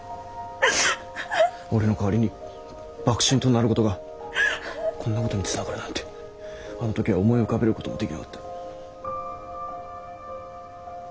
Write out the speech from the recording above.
俺の代わりに幕臣となることがこんなことにつながるなんてあの時は思い浮かべることもできなかった。